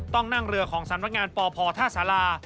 ต้องนั่งเรือของสำนักงานปพท่าสารา